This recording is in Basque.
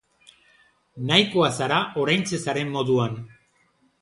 Nahikoa zara oraintxe zaren moduan.